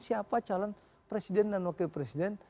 siapa calon presiden dan wakil presiden